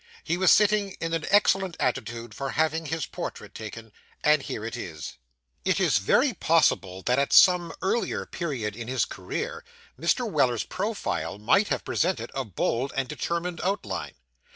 He was sitting in an excellent attitude for having his portrait taken; and here it is. It is very possible that at some earlier period of his career, Mr. Weller's profile might have presented a bold and determined outline.